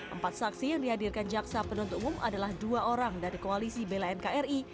empat saksi yang dihadirkan jaksa penuntut umum adalah dua orang dari koalisi bela nkri